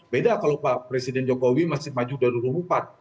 beda kalau pak presiden jokowi masih maju dalam pemerintahan